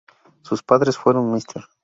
Sus padres fueron Mr.